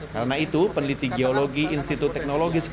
karena itu peneliti geologi institut teknologi seperti